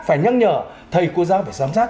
phải nhắc nhở thầy cô giáo phải giám sát